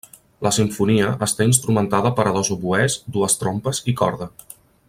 La simfonia està instrumentada per a dos oboès, dues trompes i corda.